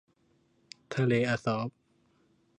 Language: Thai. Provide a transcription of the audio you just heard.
ทะเลอะซอฟ